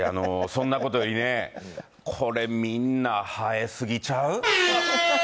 そんなことより、これ、みんな生えすぎちゃう？